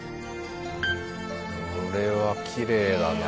これはきれいだな。